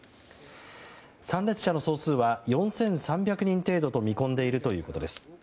参列者の総数は４３００人程度と見込んでいるということです。